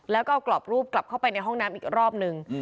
แล้วก็เอากรอบรูปกลับเข้าไปในห้องน้ำอีกรอบนึง